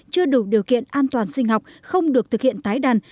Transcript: chưa đủ điều kiện an toàn sinh học không được thực hiện tái đàn